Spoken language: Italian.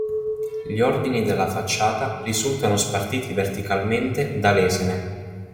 Gli ordini della facciata risultano spartiti verticalmente da lesene.